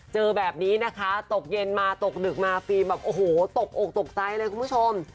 เจอแบบนี้นะคะตกเย็นมาตกดึกมาฟิล์มแบบโอ้โหตกอกตกใจเลยคุณผู้ชม